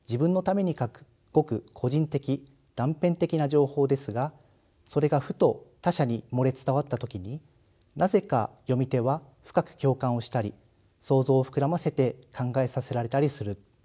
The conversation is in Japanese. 情報ですがそれがふと他者に漏れ伝わった時になぜか読み手は深く共感をしたり想像を膨らませて考えさせられたりする。